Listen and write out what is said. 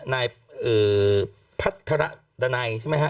นายเอ่อพัฒนระดันัยใช่มั้ยฮะ